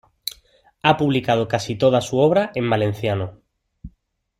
Ha publicado casi toda su obra en valenciano.